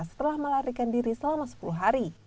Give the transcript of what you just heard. setelah melarikan diri selama sepuluh hari